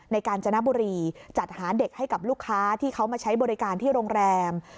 กาญจนบุรีจัดหาเด็กให้กับลูกค้าที่เขามาใช้บริการที่โรงแรม